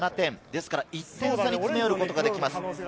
ですから、１点差に詰め寄ることができます。